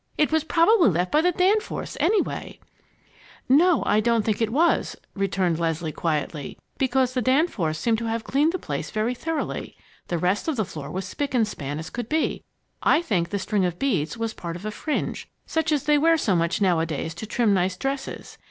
It was probably left by the Danforths, anyway." "No, I don't think it was," returned Leslie, quietly, "because the Danforths seem to have cleaned the place very thoroughly. The rest of the floor was spick and span as could be. I think the string of beads was part of a fringe, such as they wear so much nowadays to trim nice dresses.